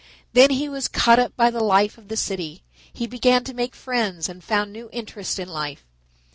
Then he was caught up by the life of the city; he began to make friends and found new interests in life.